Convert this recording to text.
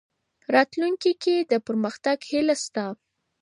راتلونکې کې د پرمختګ هیله شته.